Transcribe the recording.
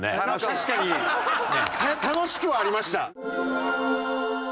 確かに楽しくはありました。